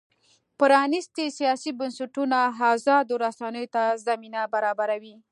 پرانیستي سیاسي بنسټونه ازادو رسنیو ته زمینه برابروي.